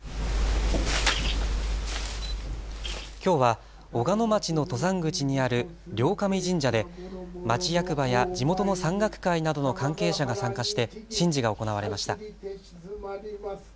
きょうは小鹿野町の登山口にある両神神社で町役場や地元の山岳会などの関係者が参加して神事が行われました。